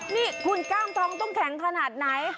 นี่คุณกล้ามทองต้องแข็งขนาดไหน